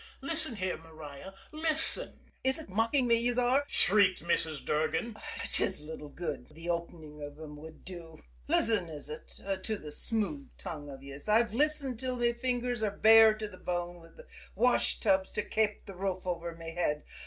Listen here, Maria, listen " "Is ut mocking me, yez are!" shrieked Mrs. Durgan. "'Tis little good the opening av 'em would do! Listen, is ut, to the smooth tongue av yez! I've listened till me fingers are bare to the bone wid the washtubs to kape a roof over me head.